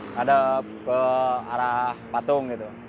nggak ada ke arah patung gitu